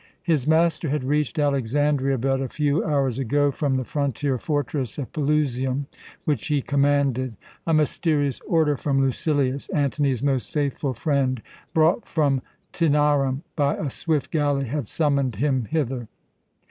His master had reached Alexandria but a few hours ago from the frontier fortress of Pelusium, which he commanded. A mysterious order from Lucilius, Antony's most faithful friend, brought from Tænarum by a swift galley, had summoned him hither.